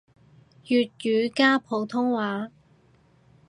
粵語加普通話